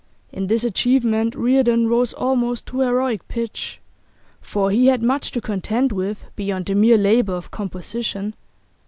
In this achievement Reardon rose almost to heroic pitch, for he had much to contend with beyond the mere labour of composition.